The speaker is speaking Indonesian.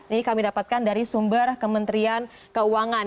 ini kami dapatkan dari sumber kementerian keuangan